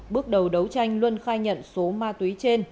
bước đầu đấu tranh luân khai nhận số ma túy trên